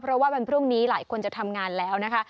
เพราะว่าวันพรุ่งนี้หลายคนจะทำงานแล้วนะคะ